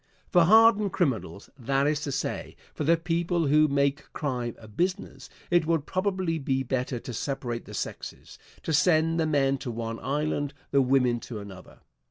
For hardened criminals that is to say, for the people who make crime a business it would probably be better to separate the sexes; to send the men to one island, the women to another.